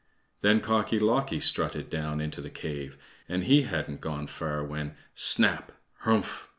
Then Cocky locky strutted down into the cave, and he hadn't gone far when "Snap, Hrumph!"